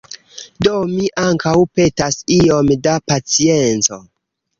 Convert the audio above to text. Do mi ankaŭ petas iom da pacienco.